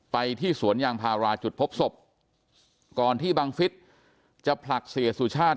ไปที่สวนยางพาราจุดพบศพก่อนที่บังฟิศจะผลักเสียสุชาติ